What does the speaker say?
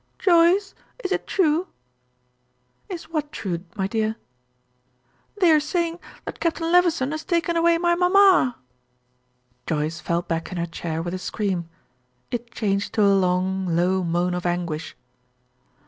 "Joyce, is it true?" "Is what true, my dear?" "They are saying that Captain Levison has taken away my mamma." Joyce fell back in her chair with a scream. It changed to a long, low moan of anguish.